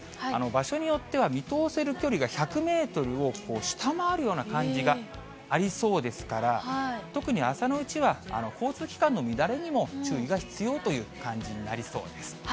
場所によっては見通せる距離が１００メートルを下回るような感じがありそうですから、特に朝のうちは、交通機関の乱れにも注意が必要という感じになりそうです。